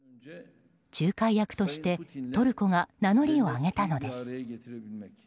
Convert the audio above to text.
仲介役としてトルコが名乗りを上げたのです。